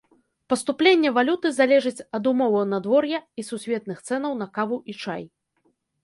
Паступленне валюты залежыць ад умоваў надвор'я і сусветных цэнаў на каву і чай.